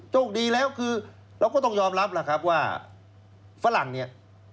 โชคดีแล้วคือเราก็ต้องยอมรับล่ะครับว่าฝรั่งเนี่ย